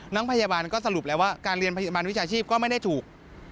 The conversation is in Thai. น้องพยาบาลก็สรุปแล้วว่าการเรียนพยาบาลวิชาชีพก็ไม่ได้ถูก